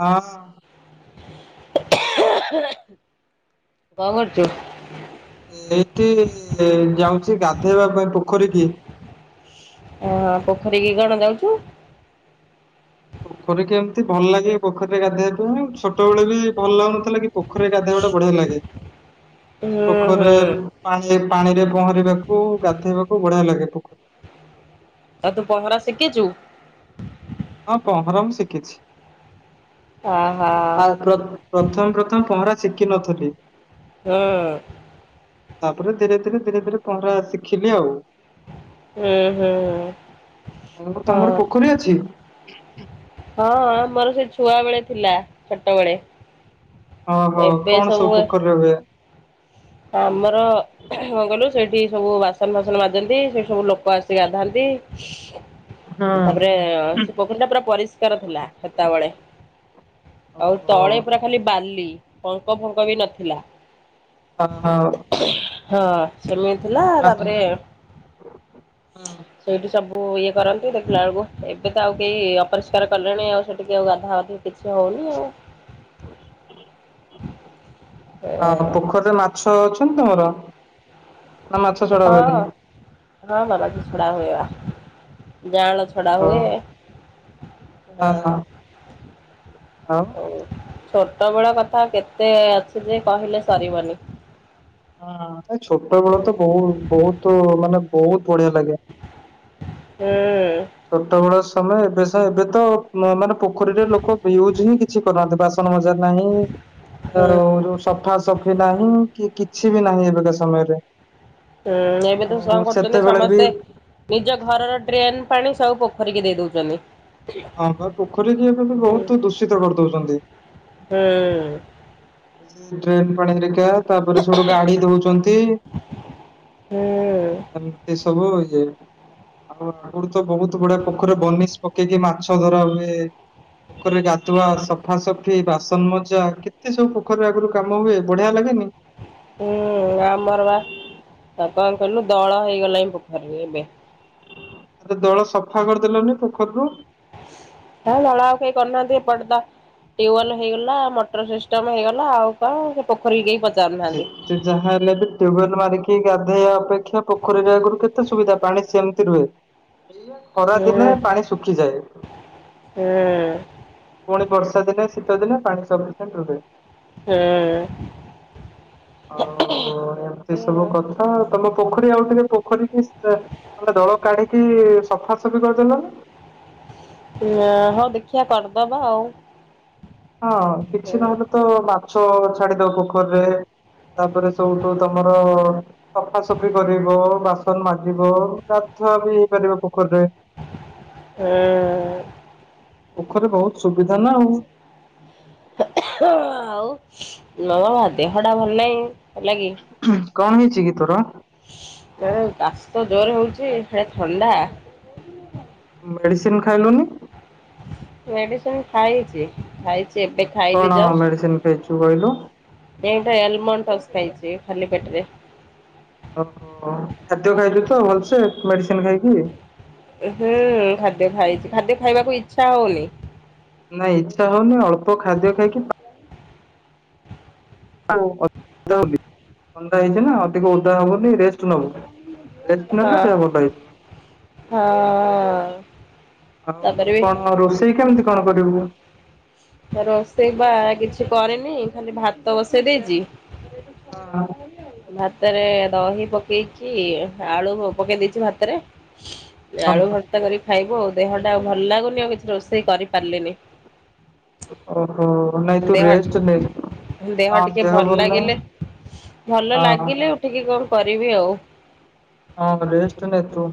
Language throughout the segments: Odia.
ହଁ। କଣ କରଚୁ? ଏଇଠି ଯାଉଚି ଗାଧେଇବା ପାଇଁ ପୋଖରୀକି। ଓହୋ ପୋଖରୀକି କଣ ଯାଉଚୁ? ପୋଖରୀରେ କେମତି ଭଲ ଲାଗେ ପୋଖରୀରେ ଗାଧୋଇବାକୁ ହିଁ ଛୋଟବେଳେ ବି ଭଲ ଲାଗୁନଥିଲା କି ପୋଖରୀରେ ଗାଧୋଇବାଟା ବଢିଆ ଲାଗେ ଏ ହୁଁ ହୁଁ ପୋଖରୀରେ ପାଣି ଏ ପାଣିରେ ପହଁରିବାକୁ ଗାଧେଇବାକୁ ବଢିଆ ଲାଗେ ପୋଖରୀ ଆଉ ତୁ ପହଁରା ଶିକିଚୁ? ହଁ ପହଁରା ମୁଁ ଶିକିଚି ଆହା ଆଉ ପ୍ରଥ ପ୍ରଥମ୍ ପ୍ରଥମ୍ ପହଁରା ଶିଖିିନଥିଲି। ହଁ। ତାପରେ ଧୀରେ- ଧୀରେ- ଧୀରେ -ଧୀରେ ପହଁରା ଶିଖିଲି ଆଉ। ହୁଁ- ହୁଁ। [unintelligible] ହଁ। ତମର ପୋଖରୀ ଅଛି? ହଁ ଆମର ସେ ଛୁଆ ବେଳେ ଥିଲା ଛୋଟବେଳେ। ଓହୋ କଣ ସବୁ ପୋଖରୀରେ ହୁଏ? ଆମର କଣ କହିଲୁ ସେଠି ସବୁ ବାସନ୍ ଫାସନ୍ ମାଜନ୍ତି ସେଠି ସବୁ ଲୋକ ଆସି ଗାଧାନ୍ତି। ହଁ ତାପରେ ସେ ପୋଖରୀ ଟା ପୁରା ପରିଷ୍କାର ଥିଲା ସେତବେଳେ। ଆଉ ଓହୋ ତଳେ ପୁରା ଖାଲି ବାଲି ପଙ୍କ ଫଙ୍କ ବି ନଥିଲା। [unintelligible] ହଁ ସେମିତି ଥିଲା ତାପରେ ଆ- ସେଇଠି ସବୁ ଇଏ କରନ୍ତି ଦେଖିଲା ବେଳକୁ ଏବେ ତ ଆଉ କେହି ଅପରିଷ୍କାର କଲେଣି ଆଉ ସେଠିକି ଆଉ ଗାଧାଗାଧି କିଛି ହଉନି ଆଉ। ଅ ହୋ- ପୋଖରୀରେ ମାଛ ଅଛନ୍ତି ତମର? ନା ମାଛ ଛଡା ହଁ ହୁଏନି? -ହଁ ବାବା ମାଛ ଛଡା ହୁଏ ବା ଜାଁ ଳ ଓହୋ ଛଡାହୁଏ ହଁ ଆଉ -ହଉ। ଛୋଟବେଳ କଥା କେତେ ଅଛି ଯେ କହିଲେ ସରିବନି। ଛୋଟ ବେଳ ତ ବହୁ -ବହୁତୁ ମାନେ ବହୁତ୍ ବଢିଆ ଲାଗେ। ହୁଁ ଛୋଟ ବେଳ ସମୟ ଏବେ ସେ ଏବେ ତ ମାନେ ପୋଖରୀରେ ଲୋକ ୟୁଜ୍ ହିଁ କି କିଛି କରୁନାହାନ୍ତି ବାସନ ମଜା ନାହିଁ ହୁଁ ଆଉ ଯଉ ସଫାସଫି ନାହିଁ କି କିଛି ବି ନାହିଁ ଏବେକା ସମୟରେ। ହୁଁ ଏବେ ତ ଆଉ କଣ କରୁଚନ୍ତି ସେତେବେଳେ ବି ସମସ୍ତେ ନିଜ ଘରର ଡ୍ରେନ୍ ପାଣି ସବୁ ପୋଖରୀିକି ଦେଇ ଦଉଚନ୍ତି। ହଁ ବା ପୋଖରୀ କି ଏବେ ବି ବହୁତୁ ଦୂଷିତ କରିଦଉଚନ୍ତି। ହୁଁ। ଡ୍ରେନ୍ ପାଣି ହେରିକା ତାପରେ ସେଠୁ ଗାଡି ଧୋଉଚନ୍ତି ହୁଁ ଏମତି ସବୁ ହଉଚି। ଆଉ ଆଗରୁ ତ ବହୁତ୍ ଗୁଡେ ପୋଖରୀରେ ବନିଶ୍ ପକେଇକି ମାଛ ଧରା ହୁଏ। ପୋଖରୀରେ ଗାଧୁଆ, ସଫାସଫି, ବାସନ ମଜା କେତେ ସବୁ ପୋ ପୋଖରୀରେ ଆଗୁରୁ କାମ ହୁଏ ବଢିଆ ଲାଗେନି। ହୁଁ ଆମର ବା ତା କଣ୍ କହିଲୁ ଦଳ ହେଇଗଲାଣି ପୋଖରୀରେ ଏବେ। ତ ଦଳ ସଫା କରିଦେଲନି ପୋଖରୀରୁ। ଆ ଦଳ ଆଉ କେହି କରୁନାହାନ୍ତି ଏପଟେ ତ ଟ୍ୟୁବଲ୍ ହେଇଗଲା ମୋଟର ସିଷ୍ଟମ ହେଇଗଲା ଆଉ କଣ ସେ ପୋଖରୀ କେ ପଚ୍ [inaudible] ସେ ଯାହା ହେଲେ ବି ଟ୍ୟୁବଲ ମାରିକି ଗାଧେଇବା ଅପେକ୍ଷା ପୋଖରୀରେ ଆଗୁରୁ କେତେ ସୁବିଧା ପାଣି ସେମିତି ରୁହେ। ହୁଁ ଖରାଦିନେ ପାଣି ଶୁଖିଯାଏ। ହୁଁ ପୁଣି ବର୍ଷା ଦିନେ ଶୀତ ଦିନେ ପାଣି ସଫିସେଣ୍ଟ୍ ରୁହେ। ହେଁ। ଆଉ ଏମିତି ସବୁ କଥା ଆଉ ତମ ପୋଖରୀ ଆଉ ଟିକେ ପୋଖରୀ କି [unintelligible] ଦଳ କାଢିକି ସଫାସଫି କରିଦେଲ ନି। ଇଏ ହଉ ଦେଖିବା କରିଦବା ଆଉ। ହଁ କିଛି ହୁଁ ନହେଲେ ତ ମାଛ ଛାଡିଦବ ପୋଖରୀରେ। ତାପରେ ସବୁଠୁ ତମର ସଫାସଫି କରିବ ବାସନ ମାଜିବ ଗାଧୁଆ ବି ହେଇପାରିବ ପୋଖରୀରେ ଏଁ ପୋଖରୀ ବହୁତ ସୁବିଧା ନା ଆଉ ଆଉ ହଁ ବା ଦେହଟା ଭଲ ନାହିଁ ହେଲା କି କଣ ହେଇଛି କି ତୋର? କାଶ ତ ଜୋରରେ ହଉଛି ସେ ଥଣ୍ଡା ମେଡିସିନ ଖାଇଲୁନି ମେଡିସିନ ଖାଇଛି ଖାଇଛି ଏବେ ଖାଇଲି କଣ ମେଡିସିନ ଖାଇଛୁ କହିଲୁ ଏଟା ଆଲମଉଣ୍ଟ ହଉସ୍ ଖାଇଛି ଖାଲି ପେଟରେ ଓହୋ ଖାଦ୍ୟ ଖାଇଛୁ ତ ଭଲସେ ମେଡିସିନ ଖାଇକି ହୁଁ ଖାଦ୍ୟ ଖାଇଛି ଖାଦ୍ୟ ଖାଇବାକୁ ଇଛା ହଉନି ନାଇଁ ଇଚ୍ଛା ହଉନି ଅଳ୍ପ ଖାଦ୍ୟ ଖାଇକି [unintelligible] ଓଦା ହବନି ରେ ହେଲୋ ହଁ। [unintelligible] ହଁ ତାପରେ ଆଉ ବି କଣ ରୋଷେଇ କେମିତି କଣ କରିବୁ? ରୋଷେଇ ବା କିଛି କରିନି ଖାଲି ଭାତ ବସେଇ ଦେଇଛି ହଁ! ଭାତରେ ଦହି ପକେଇଛି ଆଳୁ ପକେଇ ଦେଇଛି ଭାତରେ ହଁ ଆଳୁ ଭର୍ତା କରି ଖାଇବୁ ଆଉ ଦେହଟା ଆଉ ଭଲ ଲାଗୁନି ଆଉ କିଛି ରୋଷେଇ କରିପାରିଲିନି ଓହୋ ନାଇଁ ତୁ ଦେହ ରେଷ୍ଟ ନେ ଦେହ ଟିକେ ଭଲ ଲାଗିଲେ ଭଲ ହଁ ଲାଗିଲେ ଉଠିକି କଣ କରିବି ଆଉ ହଁ ରେଷ୍ଟ ନେ ତୁ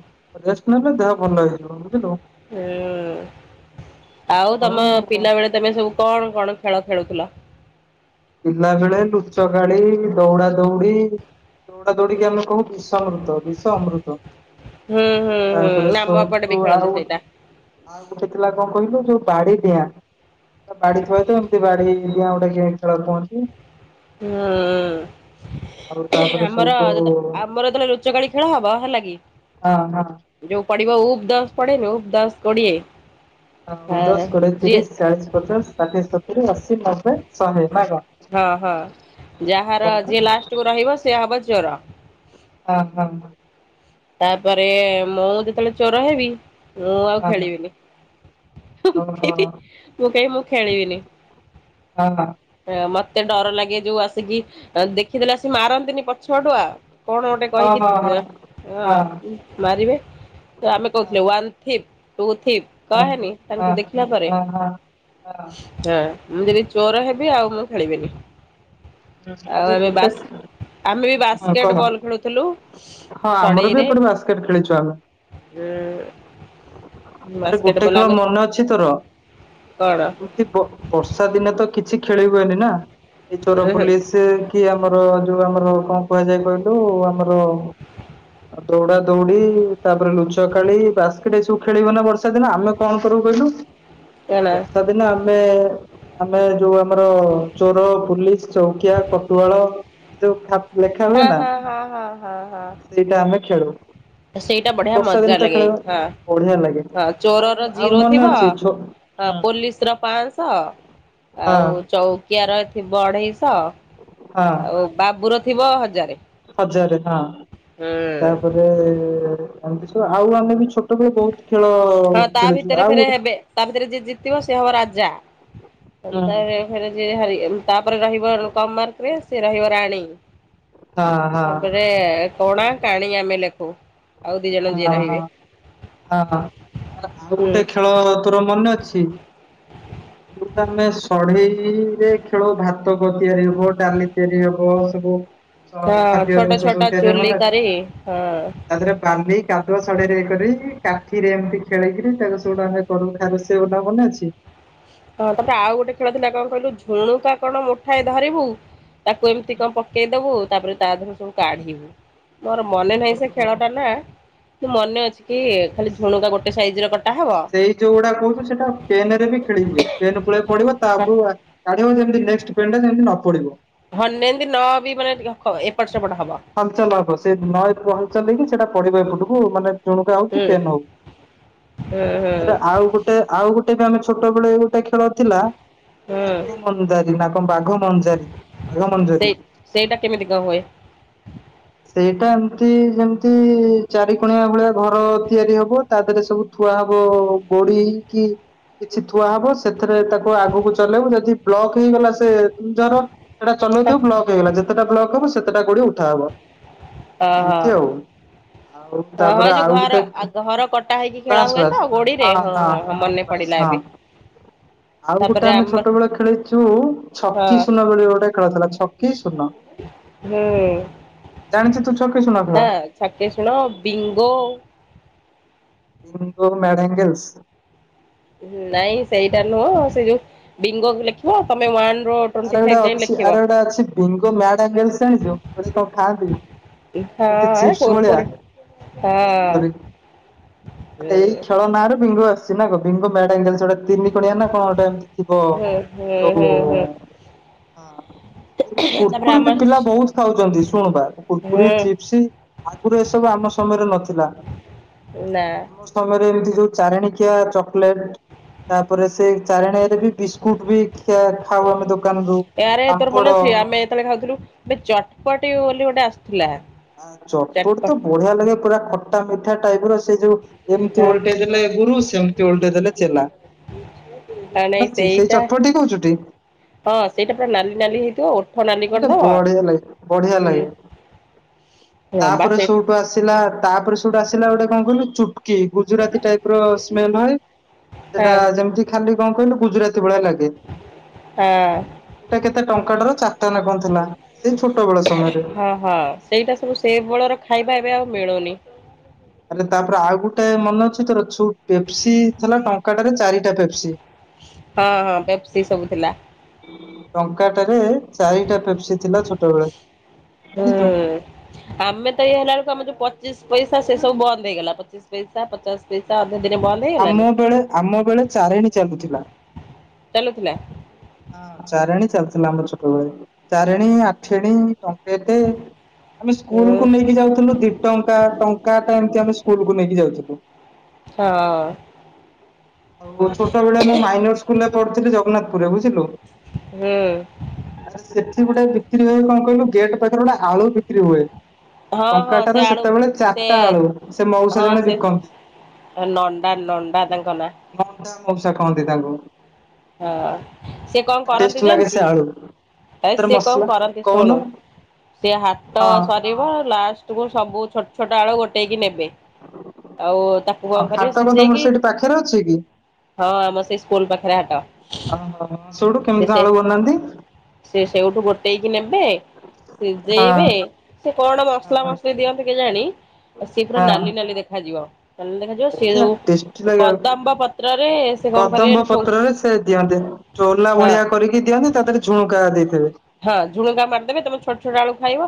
ରେଷ୍ଟ ନେଲେ ଦେହ ଭଲ ହେଇଯିବ ବୁଝିଲୁ ହୁଁ। ଆଉ ତମ ହୋଉ ପିଲାବେଳେ ତମେ ସବୁ କଣ କଣ ଖେଳ ଖେଳୁଥିଲ? ପିଲା ବେଳେ ଲୁଚକାଳି ଦୌଡା ଦୌଡ଼ି ଦୌଡା ଦୌଡିକି ଆମେ କହୁ ବିଷ ଅମୃତ ବିଷ ଅମୃତ ହୁଁ ହୁଁ ହୁଁ ତାପରେ ଆମ ଏପଟେ ବି ସଇଠୁ ଖେଳନ୍ତି ଆଉ ସେଇଟା ଆଉ ଗୋଟେ ଥିଲା କଣ କହିଲୁ ଯୋଉ ବାଡିଡିଆଁ ବାଡି ଖୁଆ ତ ଏମତି ବାଡି ଡିଆଁ ଗୋଟେ କି ଖେଳ କହନ୍ତି ହଁ ଆଉ ତାପରେ ଆମର ସୋଉଠୁ ଆମର ଯେତେବେଳେ ଲୁଚକଳି ଖେଳ ହବ ହେଲା କି ହଁ ହଁ ଯୋଉ ପଡିବ ଉପ ଦସ ପଡେନି ଉପ ଦସ କୋଡିଏ ହଁ ଦଶ କୋଡିଏ ଯିଏ ତିରିଶ ଚାଳିଶ ପଚାଶ ଷାଠିଏ ସତୁରି ଅଶୀ ନବେ ଶହେ ନା କଣ? ହଁ ହଁ ଯାହାର ତାପରେ ଯିଏ ଲାଷ୍ଟ କୁ ରହିବ ସିଏ ହବ ଚୋର ହଁ ହଁ ତାପରେ ମୁଁ ଯେତେବେଳେ ଚୋର ହେବି ମୁଁ ଆଉ ହଁ ଖେଳିବିନି ମୁଁ ହଁ ଓହୋ କହିବି ମୁଁ କହିବି ଖେଳିବିନି ଓ ହଁ ମୋତେ ଡର ଲାଗେ ଯୋଉ ଆସିକି ଦେଖିଦେଲେ ଆସି ମାରନ୍ତିନି ପଛଆଡୁଆ କଣ ଗୋଟେ କହିକି ହଁ ମାରିବେ ତ ଆମେ କହୁଛେ ୱାନ୍ ଥ୍ରି ଟୁ ଥ୍ରୀ ହଁ ହଁ କହେନି ହଁ ତାଙ୍କୁ ହଁ। ଦେଖିଲା ପରେ ହଁ ହଁ ହଁ, ମୁଁ ଯଦି ଚୋର ହେବି ଆଉ ମୁଁ ଖେଳିବିନି ଆଉ ଆରେ ଆମେ ଗୋଟେ ବାସ୍ ଆମେ ବି ହଁ କହ ବାସ୍କେଟ ବଲ୍ ଖେଳୁଥିଲୁ ହଁ, ଆମର ବି ଏପଟେ ବାସ୍କେଟ ଖେଳିଛୁ ଆମେ ହୁଁ ଆରେ ଗୋଟେ ଖେଳ ମନେ ଅଛି ତୋର? କଣ ବର୍ଷା ଦିନେ ତ କିଛି ଖେଳି ହୁଏନି ନା ଏଇ ଚୋର ଉହୁଁ ପୁଲିସ୍ ଏଇ ଆମର ଯୋଉ ଆମର କଣ କୁହାଯାଏ କହିଲୁ ଆମର ଦୌଡ଼ା ଦୌଡ଼ି ତା'ପରେ ଲୁଚ କାଳି, ବାସ୍କେଟ୍ ଏଇ ସବୁ ଖେଳିବ ବର୍ଷା ଦିନ, ଆମେ କ'ଣ କରିବୁ କହିଲୁ? କଣ ଆମେ ଆମେ ଯଉ ଆମ୍ର ଚୋର, ପୁଲିସ୍‌ ଚୌକିଆ, କଟୁଆଳ, ଲେଖା ହୁଏ ହଁ ନା। ହଁ ହଁ ହଁ ହଁ ହଁ ସେଇଟା ଆମେ ଖେଳୁ, ସେଇଟା ବଢିଆ ବର୍ଷା ଦି ମଜା ତ ଲାଗେ ଖେଳିବ ହଁ ବଢ଼ିଆ ଲାଗେ। ହଁ ଆଉ ଚୋରର ଆଉ ଜିରୋ ମନେ ଥିବ, ଅଛି ଛୋ ହଁ ପୋଲିସ୍‌ ର ପାଆନ୍ସ। ହଁ ଆଉ ଚୌକିଆ ର ଥିବ ଅଢ଼େଇଶ, ହଁ ଆଉ ବାବୁର ଥିବ ହଜାରେ। ହଜାରେ, ହଁ। [inaudible] [inaudible] ଖେଳ ହଁ, ତା' ଖେଳିଛୁ ଭିତରେ ଆଉ ଫେରେ ଗୋଟେ ହେବେ, ତା' ଭିତରେ ଯିଏ ଜିତିବ ସେ ହବ ରାଜା। [inaudible] ହଁ ହଁ ହଁ ତା'ପରେ କଣା, କାଣୀ ଆମେ ଲେଖୁ। ଆଉ [inaudible] [inaudible] ଭାତ ଦି ଜଣ ଯିଏ ରହିବେ। ହୁଁ ତିଆରି ହେବ, ଡ଼ାଲି ତିଆରି ହେବ ସବୁ। ହଁ ଛୋଟ ଛୋଟ ଚୁଲି କରି ହଁ [inaudible] [inaudible] ହଁ ତା'ପରେ ଆଉ ଗୋଟେ ଖେଳ ଥିଲା, କ'ଣ କହିଲୁ? ଝୁଣୁକା କ'ଣ ମୁଠାଏ ଧରିବୁ। ତାକୁ ଏମ୍ତି ଙ୍କ ପକେଇ ଦବୁ, ତା'ପରେ ତା ଦେହରୁ ସବୁ କାଢ଼ିବୁ। ମର ମନେ ନାହିଁ ସେ ଖେଳ ଟା ନା। ମନେ ଅଛି ଖାଲି ଝୁଣୁକା ଗୋଟେ ସାଇଜ୍‌ ର କଟା ହବ। ଯଉ କହଚୁ ସେଟା ପେନେରେ ବି ଖେଳି ହୁଏ, ପେନେ ପଡ଼ିବ। ପକେଇବୁ, ଯେମିତି ନେ--ଷ୍ଟ୍ ପେନ୍ ଟା ଯେମିତି ନ ପଡ଼ିବ। [inaudible] ହଲ୍ ଚଲ୍ ହବ, ସେ ନ ହଲ୍ ଚଲ୍ ହେଇକି ସେଟା ପଡ଼ିବ ଏପଟକୁ। ମାନେ ଝୁଣୁ ହଉ କି ହୁଁ ପେନ୍ ହଉ, ହୁଁ ହୁଁ ଆଉ ଗୋଟେ ଆଉ ଗୋଟେ ବି ଆମେ ଛୋଟ ବେଳେ ହୁଁ ସେଇ [inaudible] ସେଇଟା କେମିତି ଙ୍କ ହୁଏ? ସେଇଟା ଏମ୍ତି ସେମ୍ତି ଚାରି କଣିଆ ଭଳିଆ ଘର ତିଆରି ହେବ। ତା'ଦେ---ରେ ସବୁ ଥୁଆ ହବ, ଗୋଡ଼ି କି? କିଛି ଥୁଆ ହବ ସେଥେରେ, ତାକୁ ଆଗକୁ ଚଲେଇ ଯଦି ବ୍ଲକ୍ ହେଇଗଲା। ସେ ଜର ସେଟା ଚଲେଇ ଥିବୁ ବ୍ଲକ ହେଇଗଲା, ଯେତେଟା ବ୍ଲକ୍ ହବ ସେତେଟା ଗୋଡ଼ି ଉଠା ହବ। ଓହୋ। [inaudible] ଆଉ ହଁ ହଁ ତାପରେ ଏ ଯଉ ଆଉ ଘର, ଗୋଟେ ଘର କଟା ହେଇକି ଖେଳା ହୁଏ ତ ଗୋଡ଼ିରେ, ହଁ ହଁଁ ମନେ ବାସ୍ ପଡ଼ିଲା ହଁ ଏବେ। [inaudible] ଆଉ ଗୁଟେ ଆମେ ଆମର ଛୋଟବେଳେ ଖେଳିଚୁ, ହଁ ଛକି ଶୂନ ବୋଲି ଗୋଟେ ଖେଳ ଥିଲା ଛକି ଶୂନ। [inaudible] ଜାଣିଚୁ ତୁ ଛକି ଶୂନ ଖେଳ? ହଁ ଛକେ ଶୁଣ, ବିଙ୍ଗୋ। [inaudible] ନାଇଁ ସେଇଟା ନୁହଁ, ସେ ଯଉ ବିଙ୍ଗୋ ତମେ ୱାନ ରୁ ଟ୍ୱେଣ୍ଟି ଆରେ ଫାଇଭ ହେଟା ଯାଏ ଅଛି, ଲେଖିବ। ଆର ହେଟା ଅଛି। ବିଙ୍ଗୋ ମ୍ୟାଡ୍‌ ଆଙ୍ଗେଲ୍ସ ଜାଣିଚୁ? [inaudible] କୁରକୁରି। [inaudible] ମାନେ ଏଇ ଖେଳ ନା ରେ ବିଙ୍ଗୋ [inaudible] ହୁଁ ହୁଁ ହୁଁ ହୁଁ ହଁ ଏବେ ତାପରେ କୁୁର୍କୁରି ଆମ ବି ପିଲା ବହୁତ୍ ଖାଉଚନ୍ତି, ଶୁଣୁବା ହୁଁ କୁର୍କୁରି, ଚିପ୍ସି। ଆଗରୁ ଏସବୁ ଆମ ସମ--ରେ ନଥିଲା। ନା। ସେ ସମୟରେ ଏମିତି ଯୋଉ ଚାରିଣିକିଆ ଚକୋଲେଟ୍ ତାପରେ ସେ ଚାରିଣଆରେ ବି ବିସ୍କୁଟ ବି ଖିଆ ଖାଉ ଆମେ ଦୋକାନରୁୁ। ଏଆରେ ତୋର ପାମ୍ପଡ ମନେ ଅଛି ଆମେ ଯେତେବେଳେ ଖାଉଥିଲୁ ଏ ଚଟପଟି ବୋଲି ଗୋଟେ ଆସିୁଥିଲା। ଚଟପଟି ତ ବଢ଼ିଆ ଲାଗେ ପୁରା ଖଟା ମିଠା ଟାଇପ୍ ର ସେ ଯୋଉ ଏମିତି ହଁ ଓଲଟେଇ ଦେଲେ ଗୁରୁ ସେମିତି ଓଲଟେଇ ଦେଲେ ଚେଲା। ନାଇଁ ମନେ ଅଛି ସେଇ ସେଇଟା ଚଟପଟି କହୁଚୁଟି? ହଁ ସେଇଟା ପୁରା ନାଲି ନାଲି ହେଇଥିବ ଓ ଆରେ ବଢ଼ିଆ ଲାଗେ ବଢ଼ିଆ ଲାଗେ ହଁ ବା ତାପରେ ସୁ ସେଇଠି ସେଇଠୁ ଆସିଲ ତାପରେ ସେଇଠୁ ଆସିଲା ଗୋଟେ କଣ କହିଲୁ ଚୁଟୁକି। ଗୁଜୁରାତି ଟାଇପ୍ ର ସ୍ମେଲ୍ ହଏ ହଁ ସେଟା ଯେମିତି ଖାଲି କଣ କହିଲୁ ଗୁଜୁରାତି ଭଳିଆ ଲାଗେ। ହଁ। ସେଇଟା କେତେ ଟଙ୍କାଟର ଚାରିଟାନା କଣ ଥିଲା ସେଇ ଛୋଟ ବେଳ ସମୟରେ। ହଁ ହଁ ସେଇଟା ସବୁ ସେ ବେଳର ଖାଇବା ଏବେ ଆଉ ମିଳୁନି। ହେଲେ ତାପରେ ଆଉ ଗୋଟେ ମନେ ଅଛି ତୋର ଯୋଉ ପେପ୍ସି ଥିଲା ଟଙ୍କାଟାରେ ଚାରିଟା ପେପ୍ସି। ହଁ ହଁ ପେପ୍ସି ସବୁ ଥିଲା। ଟଙ୍କାଟରେ ଚାରିଟା ପେପ୍ସି ଥିଲା ଛୋଟବେଳେ ଜାଣିଚୁ। ଆମେତ ଇଏ ହେଲା ବେଳକୁ ଆମର ଯୋଉ ପଚିଶି ପଇସା ସେ ସବୁ ବନ୍ଦ ହେଇଗଲା ପଚିଶି ପଇସା ପଚାଶେ ପଇସା ଅଧେ ଦିନେ ବନ୍ଦ ହେଇ ଆମ ବେଳେ ଆମ ବେଳେ ଚାରେଣୀ ଚାଲୁଥିଲା। ଚାଲୁଥିଲା? ହଁ ଚାରେଣୀ ଚାଲୁଥିଲା ଆମର ଛୋଟବେଳେ ଚାରେଣୀ ଆଠେଣୀ ଟଙ୍କେଟେ। ଆମେ ହୁଁ ସ୍କୁଲକୁୁ ନେଇକି ଯାଉଥିଲୁ ଦି ଟଙ୍କା ଟଙ୍କାଟେ ଏମତି ଆମେ ସ୍କୁଲ କୁ ନେଇକି ଯାଉଥିଲୁ। ହଁ। ଆଉ ଛୋଟ ବେଳେ ମୁଁ ମାଇନର ସ୍କୁଲ ରେ ପଢୁଥିଲି ଜଗନ୍ନାଥପୁରରେ ବୁଝିଲୁ। ହୁଁ। ଆଛା ସେଠି ଗୋଟେ ବିକ୍ରି ହୁଏ କଣ କହିଲୁ ଗେଟ୍ ପାଖରେ ଗୋଟେ ଆଳୁ ବିକ୍ରି ହୁଏ। ହଁ ହଁ ସେ ଟଙ୍କାଟାରେ ଆଳୁ ସେତେବେଳେ ସେ ଚାରିଟା ଆଳୁ ସେ ମଉସା ଜଣେ ବିକନ୍ତି। ହେ ନଣ୍ଡା ନଣ୍ଡା ତାଙ୍କ ନାଁ। ନଣ୍ଡା ମଉସା କହନ୍ତି ତାଙ୍କୁ। ହଁ ସେ କଣ ଟେଷ୍ଟ କରନ୍ତି ଲାଗେ ସେ ଜାଣିଚୁ? ଆଳୁ ହେ ସେଥିରେ ସିଏ କଣ ମସଲା କରନ୍ତି ଶୁଣୁ କହୁନୁ ସେ ହାଟ ହଁ ସରିବ ଲାଷ୍ଟ ତାକୁ ସବୁ ଛୋଟ ଛୋଟ ଆଳୁ ଗୋଟେଇକି ନେବେ। ଆଉ ତାକୁ ହଁ କଣ ହାଟ କରିବେ ତମର ସିଝେଇକି ସେଇଠି ପାଖରେ ଅଛି କି? ହଁ ଆମର ସେଇ ସ୍କୁଲ୍ ପାଖରେ ହାଟ। ଓହୋ ସେଇଠୁ ସେ କେମିତି କଣ ସେ ଆଳୁ ବନାନ୍ତି? ସେ ସେଇଠୁ ଗୋଟେଇକି ନେବେ। ହଁ ସିଜେଇବେ ସେ କଣ ମସଲା ହଁ ମସଲି ଦିଅନ୍ତି କେଜାଣି ସେ ପୁରା ହଁ ନାଲି ନାଲି ଦେଖାଯିବ। ନାଲି ଦେଖାଯିବ ସେ ବଢିଆ ଟେଷ୍ଟି ଯୋଉ ଲାଗେ ଆଳୁ କଦମ୍ବ ପତ୍ରରେ ସେ କଣ କଦମ୍ବ କରିବେ ଠୋଲ ପତ୍ରରେ ସେ ଦିଅନ୍ତି ଠୋଲା ଭଳିଆ କରିକି ଦିଅନ୍ତି ତା ଦେହରେ ଝୁଣୁକା ଦେଇଥିବେ। ହଁ ଝୁଣୁଗା ମାରିଦେବେ ତମେ ଛୋଟ ଛୋଟ ଆଳୁ ଖାଇବ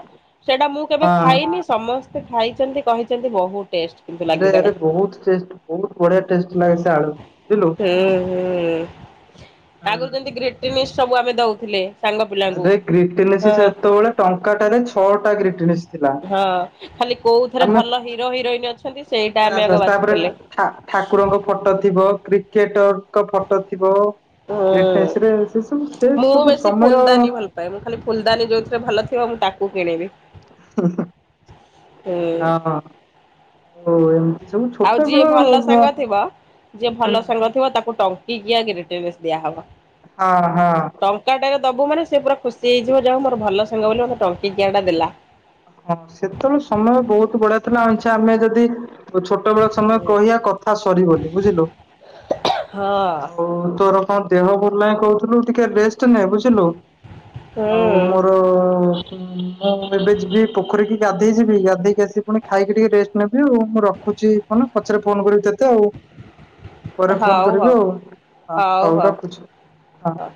ସେଇଟା ମୁଁ କେବେ ହଁ। ଖାଇନି ସମସ୍ତେ ଖାଇଚନ୍ତି କହିଚନ୍ତି ବହୁତ ଟେଷ୍ଟେ। ଆରେ ଆରେ ବହୁତ୍ ଟେଷ୍ଟେ ବହୁତ୍ ବଢ଼ିଆ ଟେଷ୍ଟେ ଲାଗେ ସେ ଆଳୁ ବୁଝିଲୁ। ହୁଁ ହୁଁ। ଆଗରୁ ହୁଁ ଯେମିତି ଗ୍ରିଟିନିସ୍ ସବୁ ଆମେ ଦଉଥିଲେ। ଏ ସାଙ୍ଗ ପିଲା ଆରେ ଗ୍ରିଟିନିସ୍ ସେତେବେଳେ ଟଙ୍କାଟାରେ ଛଅଟା ଗ୍ରିଟିନିସ୍ ଥିଲା। ହଁ ଖାଲି କୋଉଥରେ ଆମେ ଭଲ ହିରୋ ହିରୋଇନ ଅଛନ୍ତି ସେଇଟା ଆମେ ବାସ୍ ଆଗ ବାସ୍ ତାପରେ ବାଛୁଥିଲେ। ଠା ଠାକୁରଙ୍କ ଫଟୋ ଥିବ କ୍ରିକେଟରଙ୍କ ଫଟୋ ଥିବ ଗ୍ରିଟନିସ୍ ହୁଁ। ରେ ସେ ସବୁ ସେ ମୁଁ ସବୁ ବେଶୀ ସମୟ ହଁ। ଫୁଲଦାନୀ ଭଲ ପାଏ ମୁଁ ଖାଲି ଫୁଲଦାନୀ ଯୋଉଥିରେ ଭଲ ଥିବ ମୁଁ ତାକୁ କିଣିବି। ହୁଁ ହୁଁ। ହୁଁ। ଓ ଏମିତି ସବୁ ଛୋଟ ଆଉ ଯିଏ ବେଳ ଭଲ ବ ସାଙ୍ଗ ହଁ ଥିବ ଯିଏ ଭଲ ସାଙ୍ଗ ଥିବ ତାକୁ ଟଙ୍କିକିଆ ଗ୍ରିଟନିସ୍ ଦିଆ ହବ। ହଁ ହଁ। ଟଙ୍କାଟାରେ ଦେବୁ ମାନେ ସେ ପୁରା ଖୁସି ହେଇଯିବ ଯାହା ହଉ ମୋର ଭଲ ସାଙ୍ଗ ବୋଲି ମତେ ଟଙ୍କିକିଆଟା ଦେଲା। ହଁ ସେତେବେଳେ ସମୟ ବହୁତ ବଢିଆ ଥିଲା ଉଁଚ୍ଛା ଆମେ ଯଦି ତୁ ଛୋଟ ବେଳ ସମୟ କହିବା କଥା ସରିିବନି ବୁଝିଲୁ। ହଁ ଆଉ ତୋର କଣ ଦେହ ଭଲ ନାହିଁ କହୁଥିଲୁ ଟିକେ ରେଷ୍ଟ ନେ ବୁଝିଲୁ ଆଉ ପ୍ର ହୁଁ ତ ମୁଁ ଏବେ ଯିବି। ପୋଖରୀ କି ଗାଧେଇ ଯିବି ଗାଧେଇକି ଆସି ପୁଣି ଖାଇକି ଟିକେ ରେଷ୍ଟ ନେବି ଆଉ ମୁଁ ରଖୁଚି। ହ ନା ପଛରେ ଫୋନ କରିବି ତତେ ଆଉ। ପରେ ଫୋନ ହଉ କରିବି ହଉ ଆଉ ହଁ ହଉ ରଖୁଚି। ହଁ!